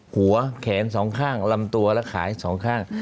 หัวแขน๒ข้างลำตัวและขาย๒ข้าง